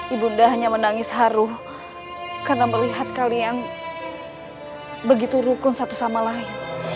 ibunda hanya menangis haru karena melihat kalian begitu rukun satu sama lain